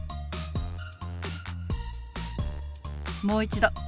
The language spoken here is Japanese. もう一度。